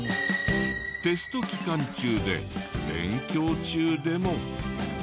テスト期間中で勉強中でも。